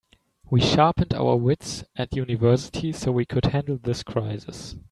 We sharpened our wits at university so we could handle this crisis.